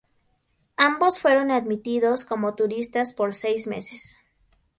Ambos fueron admitidos como turistas por seis meses.